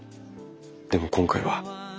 でも今回は。